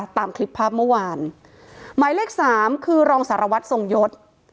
ตามคลิปภาพเมื่อวานหมายเลขสามคือรองสารวัตรทรงยศ